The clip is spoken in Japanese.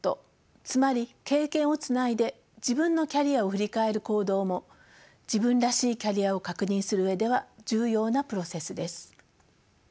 つまり経験をつないで自分のキャリアを振り返る行動も自分らしいキャリアを確認する上では重要なプロセスです。